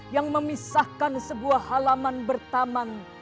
yang memisahkan sebuah halaman bertaman